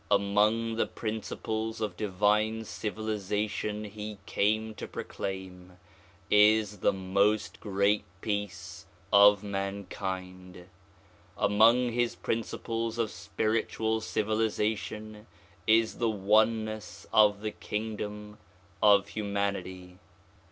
Among the principles of divine civilization he came to proclaim is the "INIost Great Peace" of mankind. Among his principles of spiritual civilization is the oneness of the kingdom of humanity.